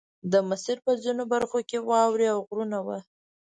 د مسیر په ځینو برخو کې واورې او غرونه وو